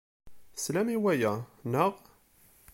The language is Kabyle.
Teslam i waya, naɣ?